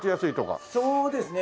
そうですね。